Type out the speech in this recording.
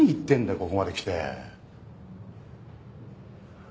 ここまで来て。